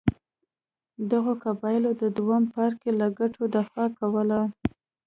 دغو قوانینو د دویم پاړکي له ګټو دفاع کوله.